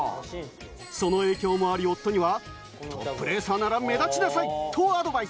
その影響もあり、夫には、トップレーサーなら目立ちなさいとアドバイス。